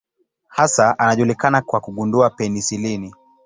Hasa anajulikana kwa kugundua penisilini.